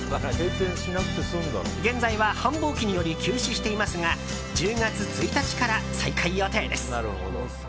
現在は、繁忙期により休止していますが１０月１日から再開予定です。